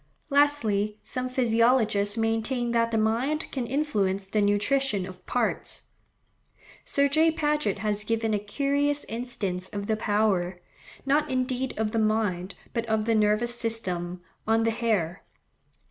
Lastly, some physiologists maintain that the mind can influence the nutrition of parts. Sir J. Paget has given a curious instance of the power, not indeed of the mind, but of the nervous system, on the hair.